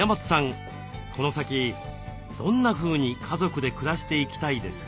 この先どんなふうに家族で暮らしていきたいですか？